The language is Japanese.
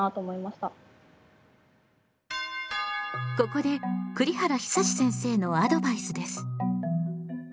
ここで栗原久先生のアドバイスです。